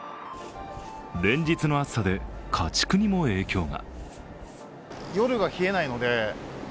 連日の暑さで、家畜にも影響が。